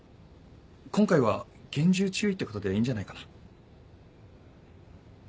今回は厳重注意ってことでいいんじゃないかな。